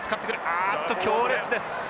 あっと強烈です。